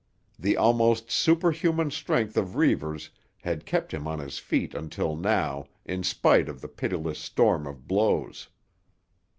The almost superhuman strength of Reivers had kept him on his feet until now in spite of the pitiless storm of blows.